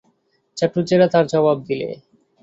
চাটুজ্যেরা তার জবাব দিলে।